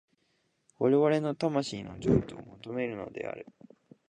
我々の魂の譲渡を求めるのである。